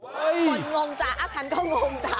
คนงงจ้ะฉันก็งงจ้ะ